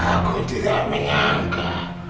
aku tidak menyangka